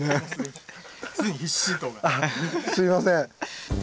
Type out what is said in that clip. すいません。